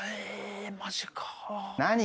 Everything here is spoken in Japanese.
マジか。